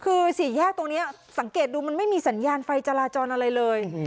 คือสี่แยกตรงนี้สังเกตดูมันไม่มีสัญญาณไฟจราจรอะไรเลย